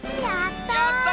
やった！